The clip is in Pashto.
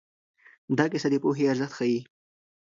دا کیسه د پوهې ارزښت ښيي.